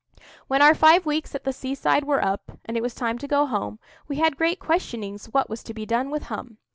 When our five weeks at the seaside were up, and it was time to go home, we had great questionings what was to be done with Hum.